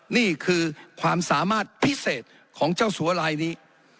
นี่คือความสามารถพิเศษของเจ้าสัวลายนี้